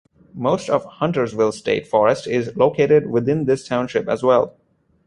Most of Huntersville State Forest is located within this township as well.